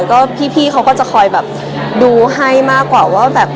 ก็พี่เขาก็จะคอยแบบดูให้มากกว่าว่าแบบ